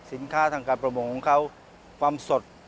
สินค้าทางการประโมงของเขาความสด